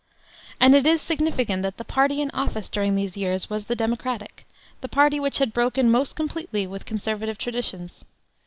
And it is significant that the party in office during these years was the Democratic, the party which had broken most completely with conservative traditions.